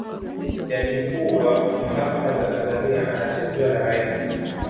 jaji mkuu wa mahakama za tanzania anateuliwa na rais